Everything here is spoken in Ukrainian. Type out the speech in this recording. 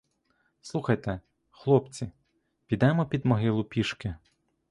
Слухайте, хлопці, підемо під могилу пішки.